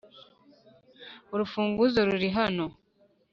urufunguzo ruri hano.